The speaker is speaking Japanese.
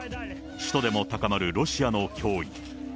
首都でも高まるロシアの脅威。